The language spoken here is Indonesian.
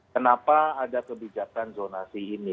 kenapa ada kebijakan zonasi ini